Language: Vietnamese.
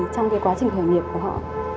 trong cái quá trình khởi nghiệp của họ